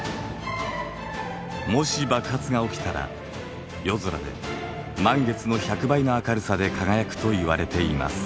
もし爆発が起きたら夜空で満月の１００倍の明るさで輝くといわれています。